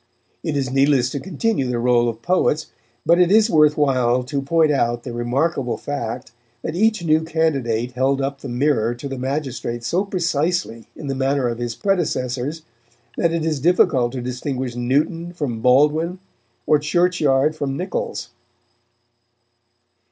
It is needless to continue the roll of poets, but it is worth while to point out the remarkable fact that each new candidate held up the mirror to the magistrates so precisely in the manner of his predecessors, that it is difficult to distinguish Newton from Baldwin, or Churchyard from Niccols.